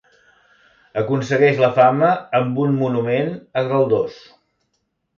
Aconsegueix la fama amb un monument a Galdós.